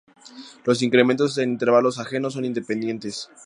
Los incrementos en intervalos ajenos son independientes.